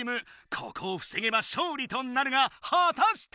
ここをふせげば勝利となるがはたして。